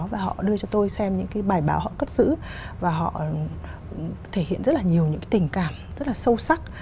và họ đưa cho tôi xem những cái bài báo họ cất giữ và họ thể hiện rất là nhiều những tình cảm rất là sâu sắc